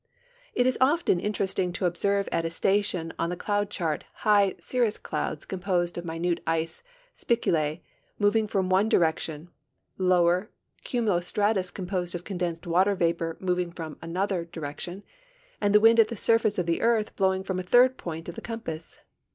It is often interest ing to ol)serve at a station on the cloud chart high cirrus clouds composed of minute ice spicule moving from one direction, lower cumulo stnitus composed of condensed water vapor moving from another direction, and the wind at the surface of the earth blow ing from a third point of the compass.